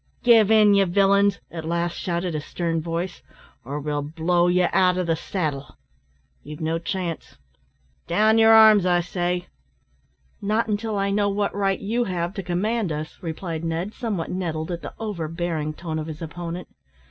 "Give in, ye villains," at last shouted a stern voice, "or we'll blow ye out o' the saddle. You've no chance; down your arms, I say." "Not until I know what right you have to command us," replied Ned, somewhat nettled at the overbearing tone of his opponent.